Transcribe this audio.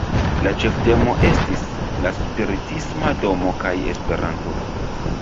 La ĉeftemo estis "La Spiritisma Domo kaj Esperanto".